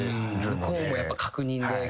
向こうもやっぱ確認で。